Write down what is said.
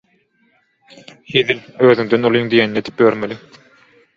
Hezil, özüňden ulyň diýenini edip ýörmeli.